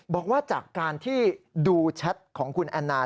บอกว่าจากการที่ดูแชทของคุณแอนนา